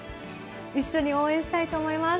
一緒に応援したいと思います。